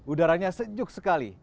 udaranya sejuk sekali